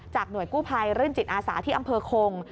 หน่วยกู้ภัยรื่นจิตอาสาที่อำเภอคง